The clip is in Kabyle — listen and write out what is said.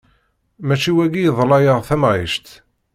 Mačči wagi iḍla-yaɣ tamɛict!